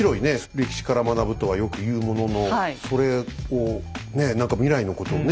歴史から学ぶとはよく言うもののそれをねえ何か未来のことをね